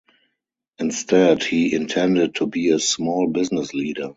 Instead, he intended to be a small business leader.